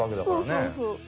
そうそうそう。